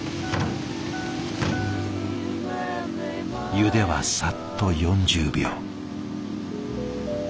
ゆではさっと４０秒。